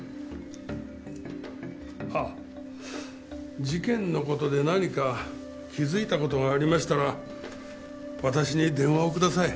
あっ事件の事で何か気づいた事がありましたら私に電話をください。